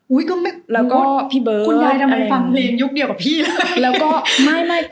อุ้ยก็ไม่รู้ว่านั้นว่าคุณยายทำไมฟังเพลงพี่เบิร์คแล้วก็อันนั้นแล้วก็